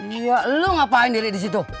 iya lo ngapain diri disitu